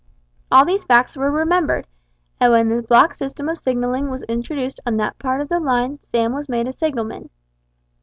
All these facts were remembered, and when the block system of signalling was introduced on that part of the line Sam was made a signalman.